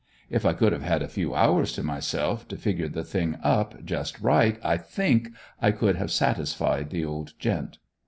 If I could have had a few hours to myself, to figure the thing up just right, I think I could have satisfied the old Gent.